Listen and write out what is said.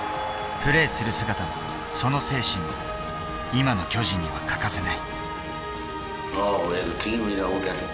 プレーする姿、この精神を今の巨人には欠かせない。